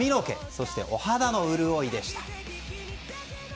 そしてお肌のうるおいでした。